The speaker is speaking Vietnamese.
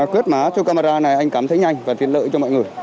quét mã cho camera này anh cảm thấy nhanh và tiện lợi cho mọi người